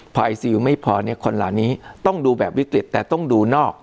พอยซิลไม่พอเนี่ยคนเหล่านี้ต้องดูแบบวิกฤตแต่ต้องดูนอก